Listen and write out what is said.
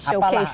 ya produk bangsa